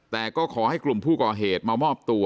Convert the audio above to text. แต่ก็ขอให้กลุ่มผู้ก่อเหตุมามอบตัว